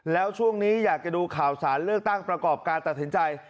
แล้วช่วงนี้อยากจะดูข่าวสารเลือกตั้งประกอบการตัดสินใจ